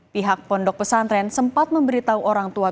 pihak pondok pesantren sempat memberitahu orang tua